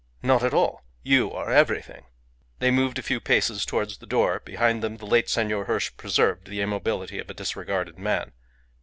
"Not at all. You are everything." They moved a few paces towards the door. Behind them the late Senor Hirsch preserved the immobility of a disregarded man.